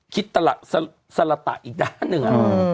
คิดตลัดศรัตนาอีกด้านหนึ่งอ่ะ